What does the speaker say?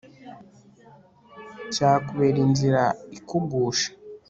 cyakubera inzira ikugusha